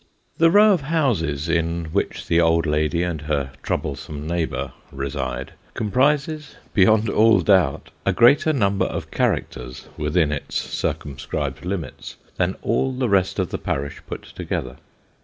THE row of houses in which the old lady and her troublesome neigh bour reside, comprises, beyond all doubt, a greater number of characters within its circumscribed limits, than all the rest of the parish put together.